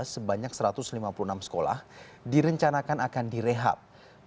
sebanyak satu ratus lima puluh enam sekolah direncanakan akan direhab